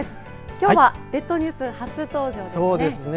きょうは列島ニュース初登場ですね。